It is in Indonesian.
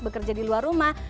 bekerja di luar rumah